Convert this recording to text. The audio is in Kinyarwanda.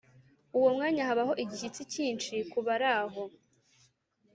Uwo mwanya habaho igishyitsi cyinshi kubaraho